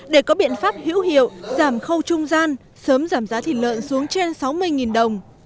để có biện pháp hữu hiệu giảm khâu trung gian sớm giảm giá thịt lợn xuống trên sáu mươi đồng